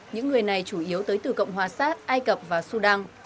những người này chủ yếu tới từ cộng hòa sát ai cập và sudan